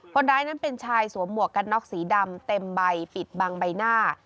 คนร้ายนั้นเป็นชายสวมหมวกกันน็อกสีดำเต็มใบปิดบังใบหน้า